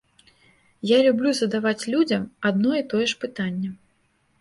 Я люблю задаваць людзям адно і тое ж пытанне.